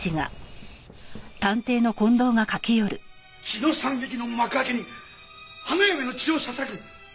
「血の惨劇の幕開けに花嫁の血を捧ぐ」？